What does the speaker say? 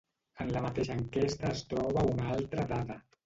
En la mateixa enquesta es troba una altra dada.